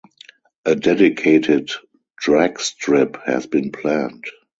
A dedicated dragstrip has been planned.